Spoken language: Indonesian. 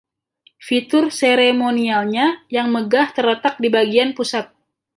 Fitur seremonialnya yang megah terletak di bagian pusat.